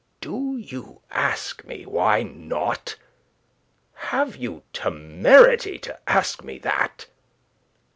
"Do you ask me, why not? Have you temerity to ask me that?"